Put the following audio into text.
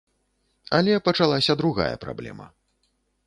Але пачалася другая праблема.